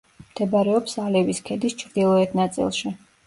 მდებარეობს ალევის ქედის ჩრდილოეთ ნაწილში.